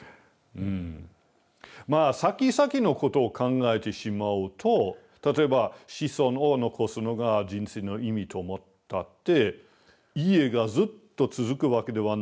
まあ先々のことを考えてしまうと例えば子孫を残すのが人生の意味と思ったって家がずっと続くわけではないんですね。